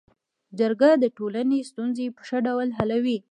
جرګه د ټولني ستونزي په ښه ډول حلوي.